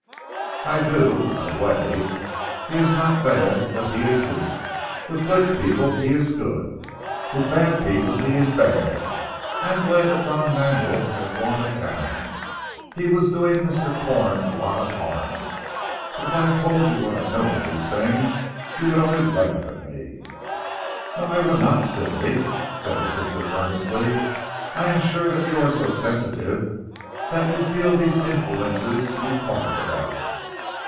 "I do in a way. He is not bad, but he is weak. With good people he is good, with bad people he is bad. I am glad that Don Manuel has gone to Town. He was doing Mr. Corn a lot of harm. But if I told you what I know of these things you would only laugh at me." "No, I would not Sidney," said his sister earnestly, "I am sure that you are so sensitive that you feel these influences you talk about."